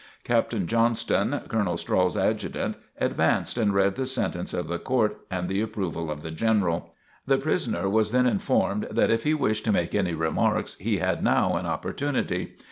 Captain Johnston, Colonel Strahl's Adjutant, advanced and read the sentence of the Court and the approval of the General. The prisoner was then informed that if he wished to make any remarks, he had now an opportunity.